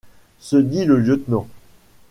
se dit le lieutenant.